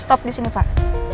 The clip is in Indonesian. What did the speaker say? stop disini pak